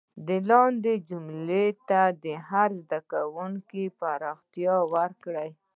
لاندې جملو ته دې هر زده کوونکی پراختیا ورکړي.